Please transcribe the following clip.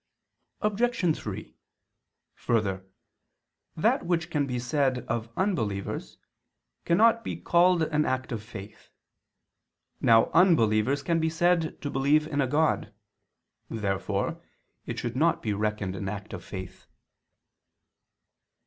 Obj. 3: Further, that which can be said of unbelievers, cannot be called an act of faith. Now unbelievers can be said to believe in a God. Therefore it should not be reckoned an act of faith.